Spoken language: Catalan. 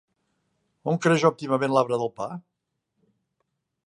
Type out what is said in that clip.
On creix òptimament l'arbre del pa?